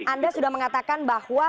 anda sudah mengatakan bahwa